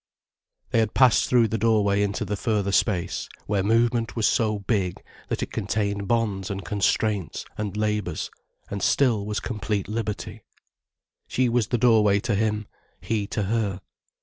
They had passed through the doorway into the further space, where movement was so big, that it contained bonds and constraints and labours, and still was complete liberty. She was the doorway to him, he to her.